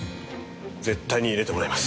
絶対に入れてもらいます。